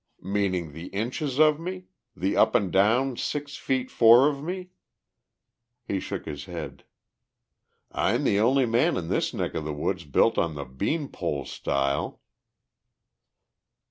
"Meaning the inches of me? The up and down six feet four of me?" He shook his head. "I'm the only man in this neck of the woods built on the bean pole style."